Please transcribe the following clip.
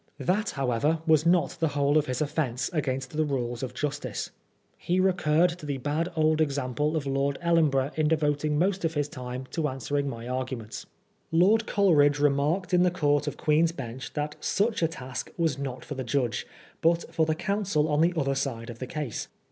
That, how ever, was not the whole of his offence against the rules of justice. He recurred to the bad old example of Lord EUenborough in devoting most of his time to answering my arguments. Lord Coleridge remarked in the Court of Queen's Bench that such a task was not for the judge, but for the counsel on the other side of the case.